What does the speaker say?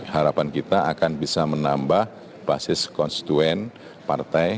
harapan kita akan bisa menambah basis konstituen partai